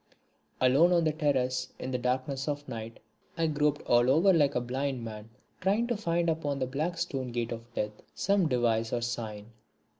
Alone on the terrace in the darkness of night I groped all over like a blind man trying to find upon the black stone gate of death some device or sign.